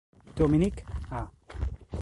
Dominique A